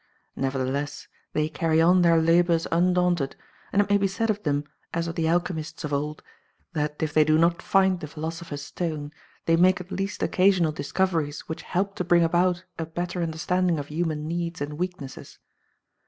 Nevertheless, they carry on their labors undaunted, and it may be said of them, as of the alchemists of old, that if they do not find 2S7 Digitized by Google 28S THE PATE OF FENELLA. the philosopher's stone, they make at least occa sional discoveries which help to bring about a better understanding of human needs and weak nesses.